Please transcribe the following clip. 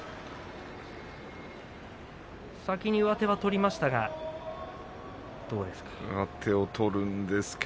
先に上手は取りましたがどうですか？